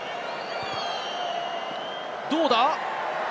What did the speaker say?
どうだ？